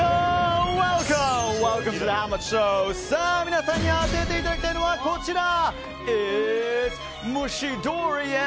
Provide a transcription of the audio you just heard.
皆さんに当てていただきたいのはこちら！